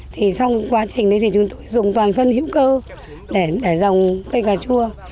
thì xong quá trình đấy thì chúng tôi dùng toàn phân hữu cơ để dòng cây cà chua